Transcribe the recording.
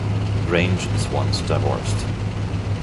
Grange is once divorced.